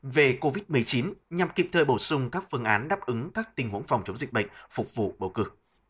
về covid một mươi chín nhằm kịp thời bổ sung các phương án đáp ứng các tình huống phòng chống dịch bệnh phục vụ bầu cử